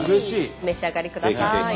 お召し上がりください。